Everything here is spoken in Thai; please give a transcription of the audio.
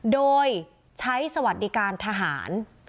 โดยใช้สวัสดิการทหาร